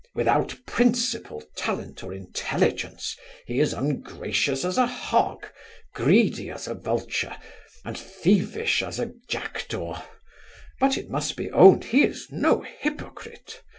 Without principle, talent, or intelligence, he is ungracious as a hog, greedy as a vulture, and thievish as a jackdaw; but, it must be owned, he is no hypocrite.